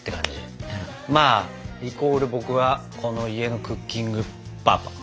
まあイコール僕はこの家のクッキングパパ。